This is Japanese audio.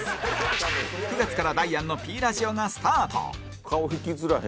９月からダイアンの Ｐ ラジオがスタート